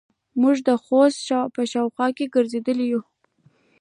موږ د حوض په شاوخوا کښې ګرځېدلو.